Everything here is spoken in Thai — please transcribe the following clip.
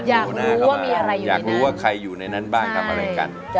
อยากรู้ว่าใครอยู่ในนั้นบ้างทำอะไรกัน